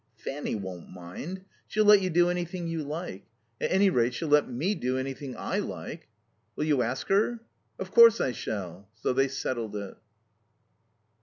"Fanny won't mind. She'll let you do anything you like. At any rate, she'll let me do anything I like." "Will you ask her?" "Of course I shall." So they settled it.